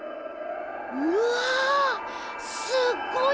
うわすっごいや！